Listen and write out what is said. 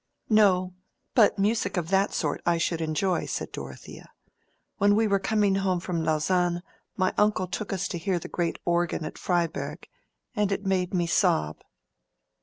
"No; but music of that sort I should enjoy," said Dorothea. "When we were coming home from Lausanne my uncle took us to hear the great organ at Freiberg, and it made me sob."